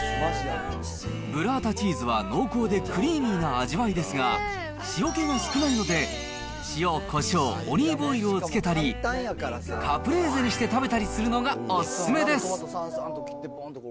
ブラータチーズは濃厚でクリーミーな味わいですが、塩気が少ないので、塩、こしょう、オリーブオイルをつけたり、カプレーゼにして食べたりするのがお勧めです。